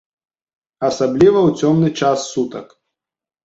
Асабліва ў цёмны час сутак.